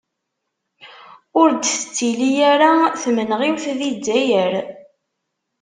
Ur d-tettili ara tmenɣiwt di Zzayer.